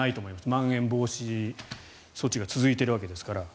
まん延防止措置が続いているわけですから。